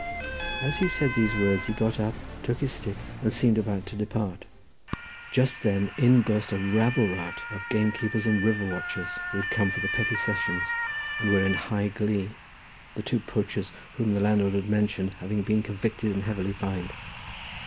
As he said these words he got up, took his stick, and seemed about to depart. Just then in burst a rabble rout of gamekeepers and river watchers, who had come from the petty sessions, and were in high glee, the two poachers whom the landlord had mentioned having been convicted and heavily fined.